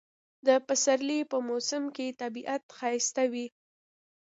د پسرلی په موسم کې طبیعت ښایسته وي